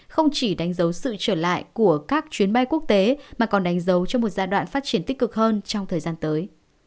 không chỉ đánh dấu sự trở lại của các chuyến bay quốc tế mà còn đánh dấu cho một giai đoạn phát triển tích cực hơn trong thời gian tới